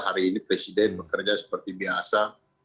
hari ini presiden bekerja seperti biasa